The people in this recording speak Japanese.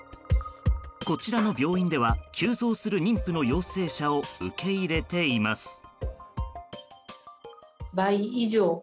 こちらの病院では急増する妊婦の陽性者を受け入れています。